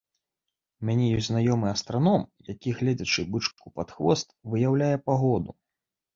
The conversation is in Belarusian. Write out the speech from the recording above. У мяне ёсць знаёмы астраном, які, гледзячы бычку пад хвост, выяўляе пагоду.